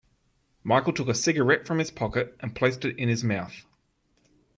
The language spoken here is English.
Michael took a cigarette from his pocket and placed it in his mouth.